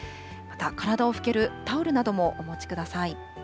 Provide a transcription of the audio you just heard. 体を拭けるタオルなどもお持ちください。